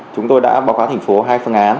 chúng tôi đã báo cáo thành phố hai phương án